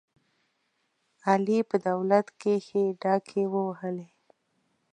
علي په دولت کې ښې ډاکې ووهلې.